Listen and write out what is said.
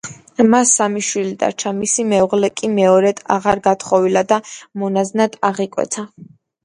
მას სამი შვილი დარჩა, მისი მეუღლე კი მეორედ აღარ გათხოვილა და მონაზვნად აღიკვეცა.